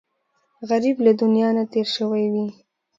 غریب له دنیا نه تېر شوی وي